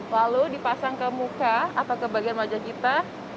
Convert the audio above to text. lalu dipasang ke muka atau ke bagian wajah kita